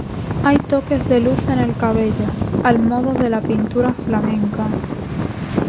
Hay toques de luz en el cabello, al modo de la pintura flamenca.